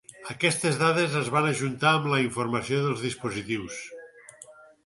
Aquestes dades es van ajuntar amb la informació dels dispositius.